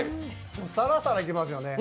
さらさらいけますよね。